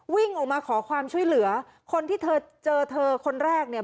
วิ่งออกมาขอความช่วยเหลือคนที่เธอเจอเธอคนแรกเนี่ย